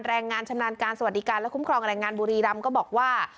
แรงงานชำนาญการสวัสดิการและคุ้มครองแรงงานบุรีรำก็บอกว่า